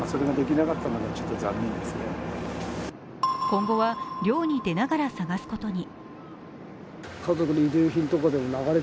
今後は漁に出ながら捜すことに。